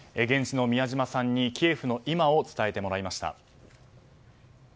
現地の宮嶋さんにキエフの今を伝えてもらいました。